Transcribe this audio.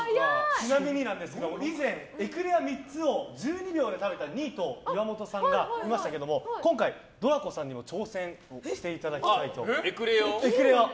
ちなみにですが以前、エクレア３つを１２秒で食べたニート岩本さんがいましたけども今回、Ｄｒａｃｏさんにも挑戦していただきたいと。